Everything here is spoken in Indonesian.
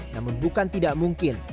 namun bukan tidak mungkin